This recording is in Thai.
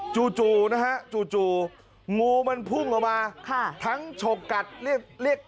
จู่จู่นะฮะจู่งูมันพุ่งออกมาค่ะทั้งฉกกัดเรียกเรียก